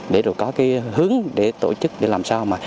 để rồi có cái hướng để tổ chức để làm sao mà